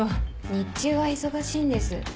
日中は忙しいんです。